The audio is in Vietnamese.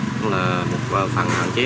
cũng là một phần hạn chế